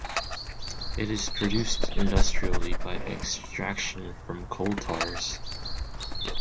It is produced industrially by extraction from coal tars.